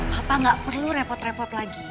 bapak tidak perlu repot repot lagi